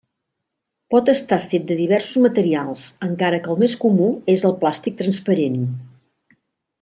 Pot estar fet de diversos materials, encara que el més comú és el plàstic transparent.